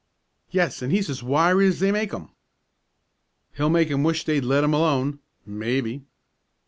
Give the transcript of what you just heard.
"Yes, and he's as wiry as they make 'em!" "He'll make 'em wish they'd let him alone maybe."